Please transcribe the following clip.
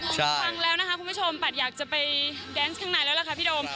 ฟังแล้วนะคะคุณผู้ชมปัดอยากจะไปแดนส์ข้างในแล้วล่ะค่ะพี่โดม